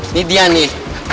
ini dia nih